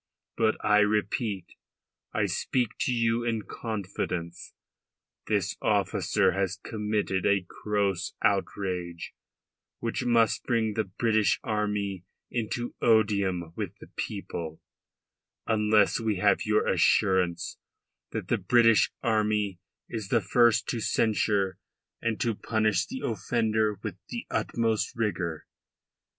But I repeat, I speak to you in confidence. This officer has committed a gross outrage, which must bring the British army into odium with the people, unless we have your assurance that the British army is the first to censure and to punish the offender with the utmost rigour.